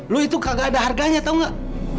lo itu kagak ada harganya tau gak